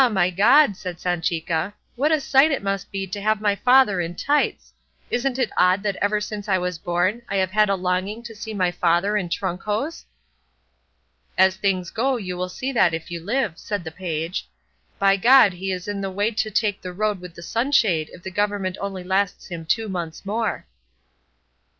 my God!" said Sanchica, "what a sight it must be to see my father in tights! Isn't it odd that ever since I was born I have had a longing to see my father in trunk hose?" "As things go you will see that if you live," said the page; "by God he is in the way to take the road with a sunshade if the government only lasts him two months more."